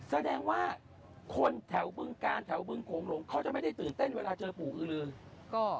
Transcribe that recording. แสดงว่าคนแถวบึงการแถวบึงโขงหลงเขาจะไม่ได้ตื่นเต้นเวลาเจอปู่อือลือ